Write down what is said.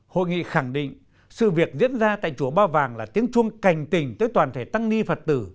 hội nghị khẳng định sự việc diễn ra tại chùa ba vàng là tiếng chuông cành tình tới toàn thể tăng ni phật tử